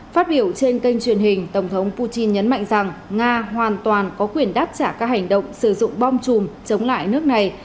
phát biểu trên kênh truyền hình tổng thống putin nhấn mạnh rằng nga hoàn toàn có quyền đáp trả các hành động sử dụng bom chùm chống lại nước này